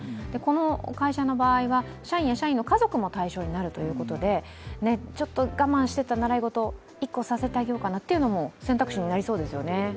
この会社の場合は社員や社員の家族も対象になるということで我慢していた習い事一個させてあげようかなというのも選択肢になりそうですね。